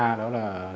đó là lòng lèo